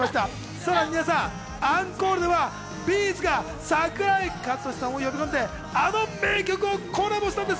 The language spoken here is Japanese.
さらにアンコールではＢ’ｚが桜井和寿さんを呼び込んで、あの名曲をコラボしたんです。